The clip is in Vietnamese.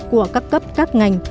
của các cấp các ngành